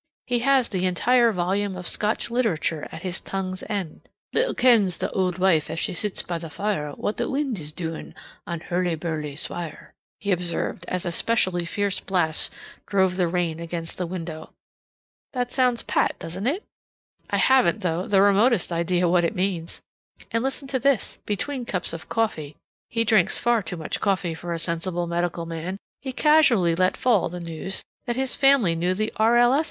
He has the entire volume of Scotch literature at his tongue's end. "Little kens the auld wife as she sits by the fire what the wind is doing on Hurly Burly Swire," he observed as a specially fierce blast drove the rain against the window. That sounds pat, doesn't it? I haven't, though, the remotest idea what it means. And listen to this: between cups of coffee (he drinks far too much coffee for a sensible medical man) he casually let fall the news that his family knew the R. L. S.